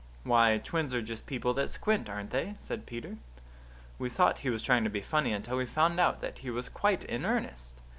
"Why, twins are just people that squint, aren't they?" said Peter. We thought he was trying to be funny, until we found out that he was quite in earnest.